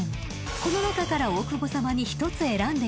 ［この中から大久保さまに１つ選んでいただきます］